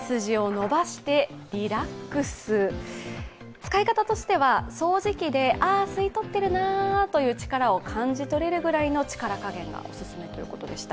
使い方としては、掃除機であー、吸い取っているなという力を感じ取れるぐらいの力加減がお勧めいとうことでした。